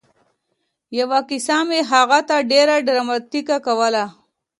یوه کیسه مې هغه ته ډېره ډراماتيکه کوله